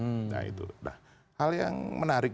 nah hal yang menarik